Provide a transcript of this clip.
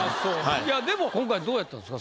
でも今回どうやったんですか？